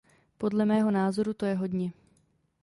Podle mého názoru to je hodně.